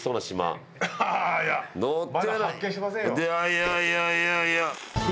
いやいやいやいや！